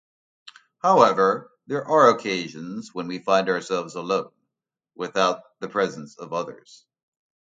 However, there are occasions when we find ourselves alone, without the presence of others.